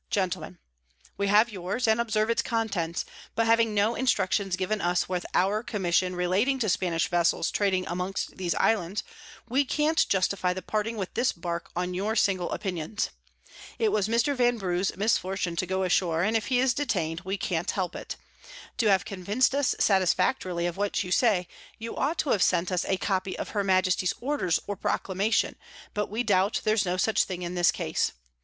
Gentlemen, 'We have yours, and observe its Contents; but having no Instructions given us with our Commission relating to Spanish Vessels trading amongst these Islands, we can't justify the parting with this Bark on your single Opinions. It was Mr. Vanbrugh's misfortune to go ashore; and if he is detain'd, we can't help it. To have convinc'd us satisfactorily of what you say, you ought to have sent us a Copy of her Majesty's Orders or Proclamation; but we doubt there's no such thing in this case.